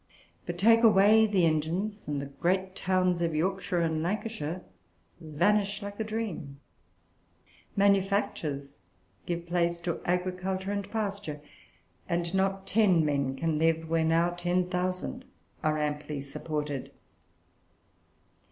But take away the engines, and the great towns of Yorkshire and Lancashire vanish like a dream. Manufactures give place to agriculture and pasture, and not ten men can live where now ten thousand are amply supported.